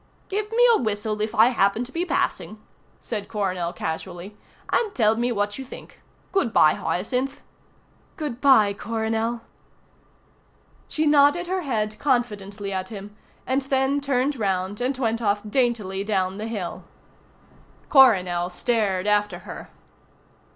"Give me a whistle if I happen to be passing," said Coronel casually, "and tell me what you think. Good bye, Hyacinth." "Good bye, Coronel." She nodded her head confidently at him, and then turned round and went off daintily down the hill. Coronel stared after her.